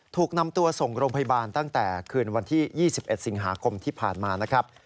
ถูกนำตัวส่งโรงพยาบาลตั้งแต่คืนวันที่๒๑สิงหาคมที่ผ่านมานะครับ